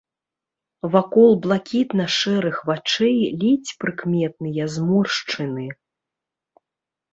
Вакол блакітна-шэрых вачэй ледзь прыкметныя зморшчыны.